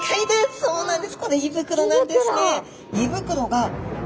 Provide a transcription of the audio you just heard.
そうなんです。